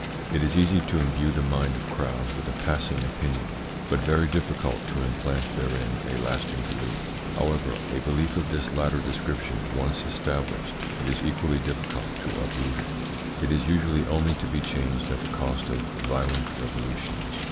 It is easy to imbue the mind of crowds with a passing opinion, but very difficult to implant therein a lasting belief. However, a belief of this latter description once established, it is equally difficult to uproot it. It is usually only to be changed at the cost of violent revolutions.